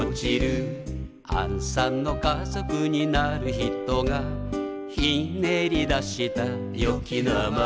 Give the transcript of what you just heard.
「あんさんの家族になる人がひねり出したよき名前」